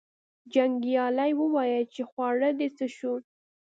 جنګیالي وویل چې خواړه دې څه شو.